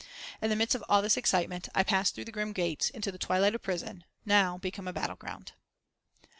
In the midst of all this intense excitement I passed through the grim gates into the twilight of prison, now become a battle ground.